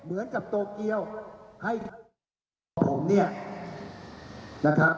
เหมือนกับโตเกียวให้ของผมเนี่ยนะครับ